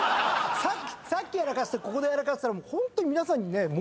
さっきやらかしてここでやらかしたらホントに皆さんに申し訳なくて。